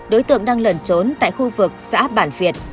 đối tượng đang lẩn trốn tại khu vực xã bản việt